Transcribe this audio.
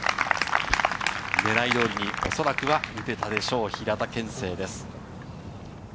狙い通りにおそらくは打てたでしょう、平田憲聖です。